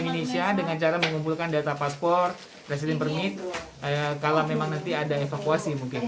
kami ingin mengumpulkan data paspor residen permit kalau memang nanti ada evakuasi mungkin